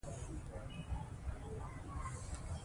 د اوبو د تصفیې کوچني مرکزونه په کليو کې شته.